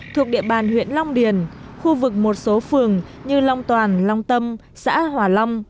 thuộc địa bàn huyện long điền khu vực một số phường như long toàn long tâm xã hòa long